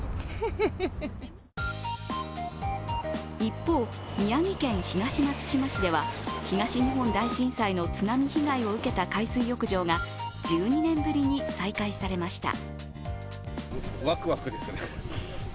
一方、宮城県東松島市では東日本大震災の津波被害を受けた海水浴場が１２年ぶりに再開されました。